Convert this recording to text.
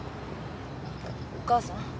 お母さん？